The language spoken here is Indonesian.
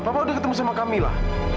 papa udah ketemu sama kamila